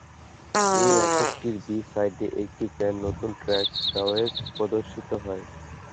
এই এককটির বি-সাইডে একটি ব্র্যান্ড নতুন ট্র্যাক, "দ্য ওয়েইভস" প্রদর্শিত হয়।